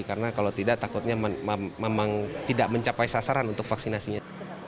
karena kalau tidak takutnya memang tidak mencapai sasaran untuk vaksinasinya